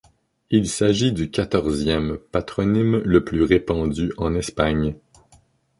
Il s'agit du quatorzième patronyme le plus répandu en Espagne.